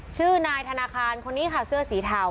ชื่อนายธนาคารคนนี้ค่ะเสื้อสีเทา